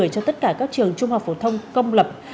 cho tất cả các trường trung học phổ thông công lập